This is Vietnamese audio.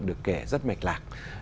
được kể rất mạch lạc